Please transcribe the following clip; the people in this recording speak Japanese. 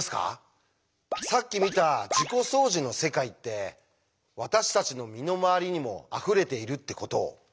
さっき見た自己相似の世界って私たちの身の回りにもあふれているってことを。